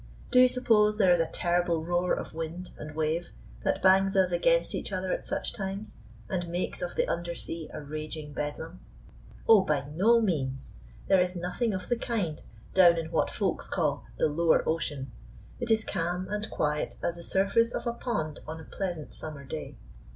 Do you suppose there is a terrible roar of wind and wave that bangs us against each other at such times, and makes of the under sea a raging bedlam? Oh, by no means! There is nothing of the kind down in what Folks call "the lower ocean." It is calm and quiet as the surface of a pond on a pleasant summer day.